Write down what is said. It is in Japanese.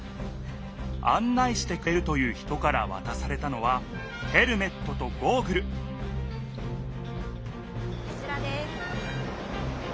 案内してくれるという人からわたされたのはヘルメットとゴーグルこちらです。